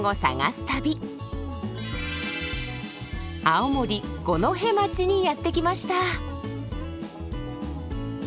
青森・五戸町にやって来ました。